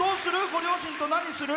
ご両親と何する？